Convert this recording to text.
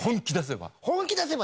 本気出せば。